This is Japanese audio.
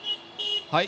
はい。